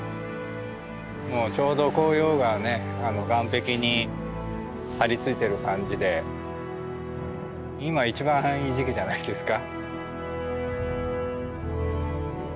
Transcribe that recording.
もうちょうど紅葉が岩壁に張り付いてる感じで今一番いい時期じゃないですか。